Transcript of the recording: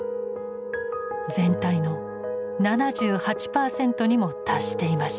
全体の７８％にも達していました。